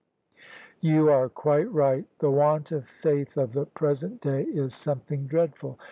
"You are quite right: the want of faith of the present day is something dreadful.